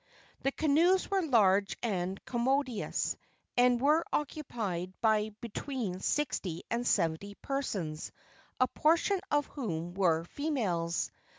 The canoes were large and commodious, and were occupied by between sixty and seventy persons, a portion of whom were females.